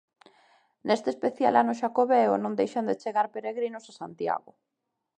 Neste especial ano Xacobeo, non deixan de chegar peregrinos a Santiago.